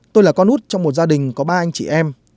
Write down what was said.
tôi là con út trong một gia đình có ba anh chị em